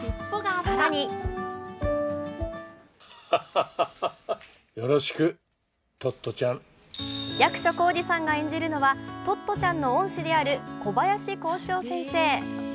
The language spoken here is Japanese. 更に役所広司さんが演じるのはトットちゃんの恩師である小林校長先生。